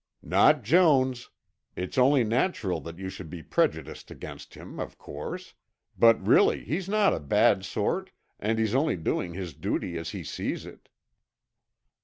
"Not Jones. It's only natural that you should be prejudiced against him, of course. But really he's not a bad sort, and he's only doing his duty as he sees it."